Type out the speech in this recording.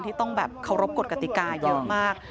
ที่ต้องแบบเคารพกฎกติกาเยอะมาก